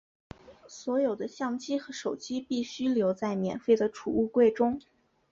所有的相机和手机必须留在免费的储物柜中。